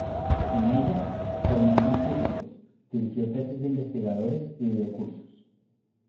En ella formó a científicos, dirigió tesis de investigadores y dio cursos.